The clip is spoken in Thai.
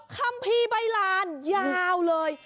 คัมภีร์ใบลานยาวเลย